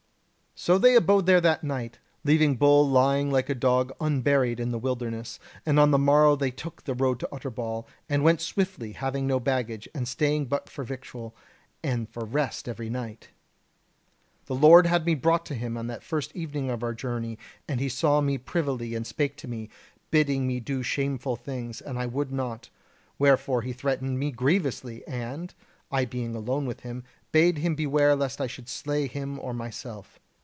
"So they abode there that night, leaving Bull lying like a dog unburied in the wilderness; and on the morrow they took the road to Utterbol, and went swiftly, having no baggage, and staying but for victual, and for rest every night. The Lord had me brought to him on that first evening of our journey, and he saw me privily and spake to me, bidding me do shameful things, and I would not; wherefore he threatened me grievously; and, I being alone with him, bade him beware lest I should slay him or myself.